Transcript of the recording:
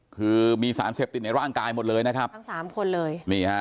คือมีสารเสพติดในร่างกายหมดเลยทั้งสามคนเลย